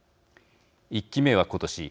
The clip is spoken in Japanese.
１基目はことし